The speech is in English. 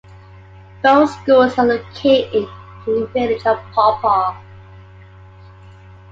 Both schools are located in the village of Paw Paw.